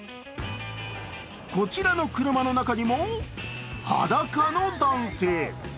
こちらの車の中にも裸の男性。